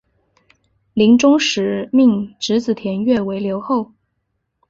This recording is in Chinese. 临终时命侄子田悦为留后。